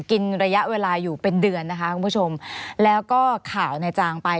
กินระยะเวลาอยู่เป็นเดือนนะคะคุณผู้ชมแล้วก็ข่าวในจางไป